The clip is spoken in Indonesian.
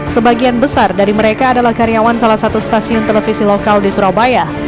sebagian besar dari mereka adalah karyawan salah satu stasiun televisi lokal di surabaya